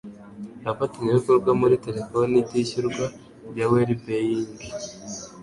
Abafatanyabikorwa muri telefoni itishyurwa ya Wellbeing